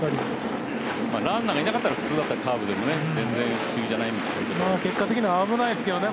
ランナーがいなかったら普通だったらカーブでも結果的に危ないですけどね。